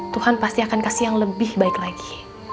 tuhan pasti akan kasih yang lebih baik lagi